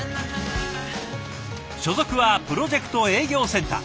所属はプロジェクト営業センター。